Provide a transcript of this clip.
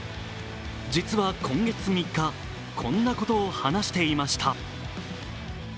実は今月３日、こんなことを話していました。